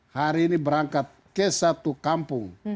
hari ini berangkat ke satu kampung